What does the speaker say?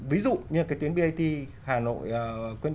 ví dụ như cái tuyến bat hà nội